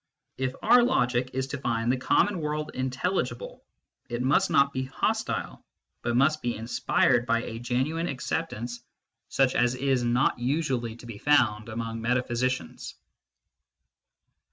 If our logic is to find the common world intelligible, it must not be hostile, but must be inspired by a genuine accept MYSTICISM AND LOGIC 21 ance such as is not usually to be found among meta physicians.